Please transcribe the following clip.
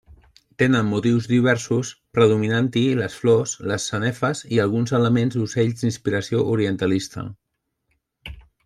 Tenen motius diversos, predominant-hi les flors, les sanefes i alguns elements d'ocells d'inspiració orientalista.